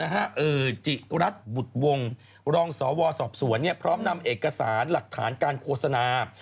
จิรัฐบุตรวงรองสวสอบสวนพร้อมนำเอกสารหลักฐานการโฆษณา